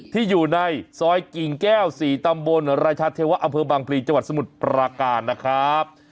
ที่อยู่ในซอยกิ่งแก้ว๔ตำบลราชาเทวะอำเภอบางพลีจังหวัดสมุทรปราการนะครับ